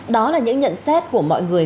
đó là những nhận xét của mọi người